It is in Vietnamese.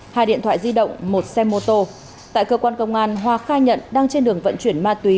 hai điện thoại di động một xe mô tô tại cơ quan công an hoa khai nhận đang trên đường vận chuyển ma túy